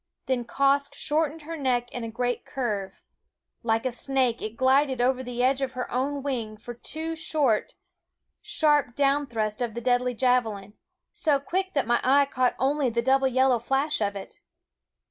Then Quoskh shortened her neck in a great curve. Like a snake it glided over the edge of her own wing for two short, sharp down thrusts of the deadly in so quick that my eye caught only the double yellow flash of it.